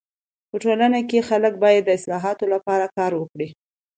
په ټولنه کي خلک باید د اصلاحاتو لپاره کار وکړي.